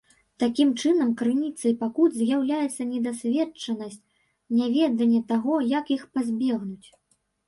Такім чынам, крыніцай пакут з'яўляецца недасведчанасць, няведанне таго, як іх пазбегнуць.